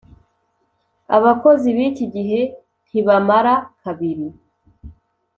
Abbakozi biki gihe ntibamara kabiri